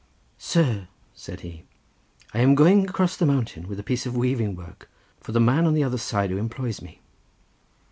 "Sir," said he, "I am going across the mountain with a piece of weaving work, for the man on the other side, who employs me.